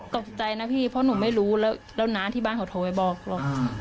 ตกใจนะพี่เพราะหนูไม่รู้แล้วน้าที่บ้านเขาโทรไปบอกหรอก